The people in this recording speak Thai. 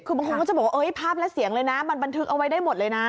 คือบางคนก็จะบอกว่าภาพและเสียงเลยนะมันบันทึกเอาไว้ได้หมดเลยนะ